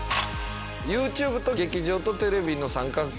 ＹｏｕＴｕｂｅと劇場とテレビの三角形。